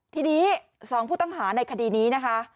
ทีนี้๒ผู้ต้องหาในคดีนี้นะคะ